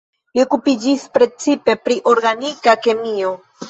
Li okupiĝis precipe pri organika kemio.